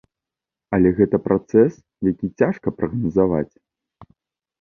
Але гэта працэс, які цяжка прагназаваць.